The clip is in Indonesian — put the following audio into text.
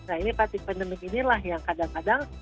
nah ini pasti pandemik inilah yang kadang kadang